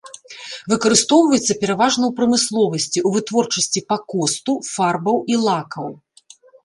Выкарыстоўваецца пераважна ў прамысловасці ў вытворчасці пакосту, фарбаў і лакаў.